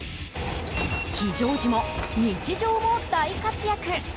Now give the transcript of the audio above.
非常時も日常も大活躍。